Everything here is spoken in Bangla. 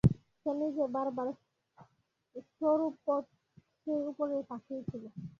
সে নিজে বরাবর স্বরূপত সেই উপরের পাখীই ছিল।